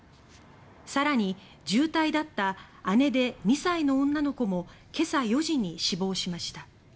更に重体だった姉で２歳の女の子も今朝４時に死亡しました。